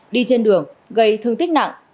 đi trên đường gây thương tích nặng